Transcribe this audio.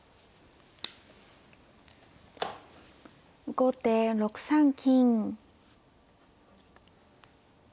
後手６三金。